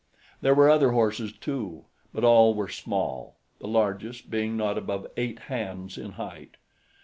There were other horses too; but all were small, the largest being not above eight hands in height.